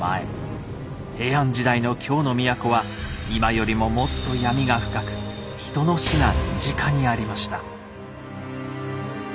平安時代の京の都は今よりももっと闇が深く人の死が身近にありました。